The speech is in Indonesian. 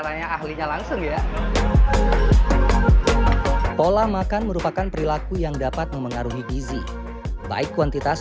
rasanya ahlinya langsung ya pola makan merupakan perilaku yang dapat memengaruhi gizi baik kuantitas